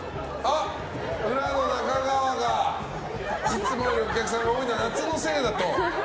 浦野、中川がいつもよりお客さんが多いのは夏のせいだと。